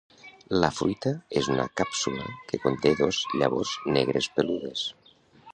La fruita és una càpsula que conté dos llavors negres peludes.